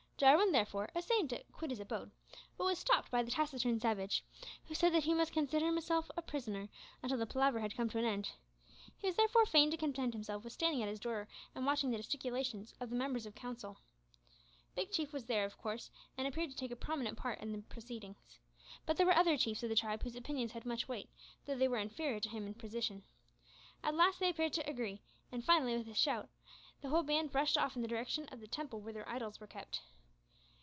Jarwin, therefore, essayed to quit his abode, but was stopped by the taciturn savage, who said that he must consider himself a prisoner until the palaver had come to an end. He was therefore fain to content himself with standing at his door and watching the gesticulations of the members of council. Big Chief was there of course, and appeared to take a prominent part in the proceedings. But there were other chiefs of the tribe whose opinions had much weight, though they were inferior to him in position. At last they appeared to agree, and finally, with a loud shout, the whole band rushed off in the direction of the temple where their idols were kept.